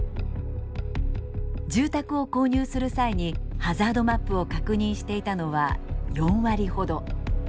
住宅を購入する際にハザードマップを確認していたのは４割ほど。